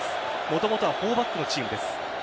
もともとは４バックのチームです。